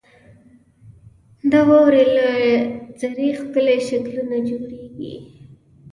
• د واورې له ذرې ښکلي شکلونه جوړېږي.